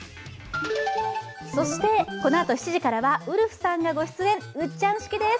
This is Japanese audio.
そして、このあと７時からはウルフさんがご出演、「ウッチャン式」です